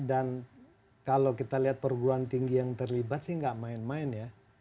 dan kalau kita lihat perguruan tinggi yang terlibat sih nggak main main ya